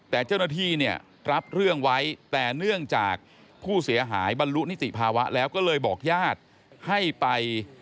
แต่เจ้าหน้าที่เนี่ยรับเรื่องไว้แต่เนื่องจากผู้เสียหายบรรลุนิติภาวะแล้วก็เลยบอกญาติให้ไป